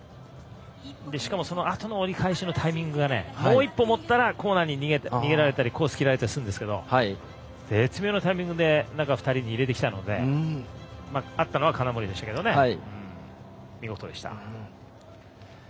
しかもそのあとの折り返しのタイミングがもう１歩待ったらコーナーに逃げられたり出されたりするんですけど絶妙なタイミングで中２人に入れてきたので合ったのは金森でしたけど見事でした。